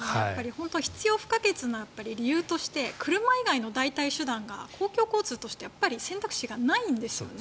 本当に必要不可欠な理由として車以外の代替手段が公共交通として選択肢がないんですよね。